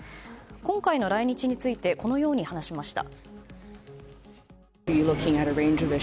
今回の来日についてこのように話しました。